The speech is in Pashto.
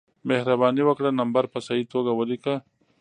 مهربانې وکړه نمبر په صحیح توګه ولېکه